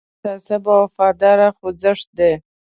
دا ډېر متعصب او وفادار خوځښت دی.